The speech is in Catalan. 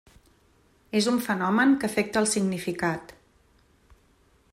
És un fenomen que afecta el significat.